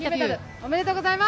おめでとうございます。